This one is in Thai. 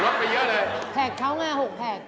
ลดไปเยอะเลยแผลกเขาไง๖แผลก